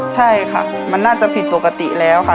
ใช่ค่ะมันน่าจะผิดปกติแล้วค่ะ